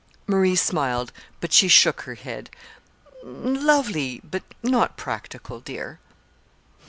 Marie smiled, but she shook her head. "Lovely but not practical, dear."